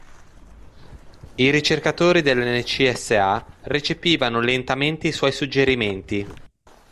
I ricercatori dell'NCSA recepivano lentamente i suoi suggerimenti.